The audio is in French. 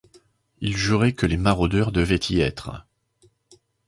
Il jurait que les maraudeurs devaient y être.